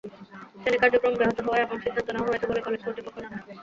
শ্রেণি কার্যক্রম ব্যাহত হওয়ায় এমন সিদ্ধান্ত নেওয়া হয়েছে বলে কলেজ কর্তৃপক্ষ জানায়।